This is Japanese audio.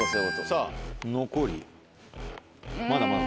さぁ残りまだまだ。